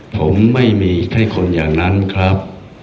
ผมไม่มีแค่คนอย่างนั้นครับ